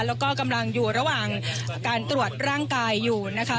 แล้วก็กำลังอยู่ระหว่างการตรวจร่างกายอยู่นะคะ